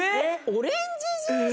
オレンジジュース？